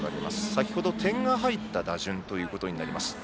先程、点が入った打順になります。